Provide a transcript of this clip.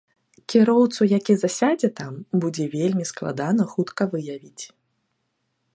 Кіроўцу, які засядзе там, будзе вельмі складана хутка выявіць.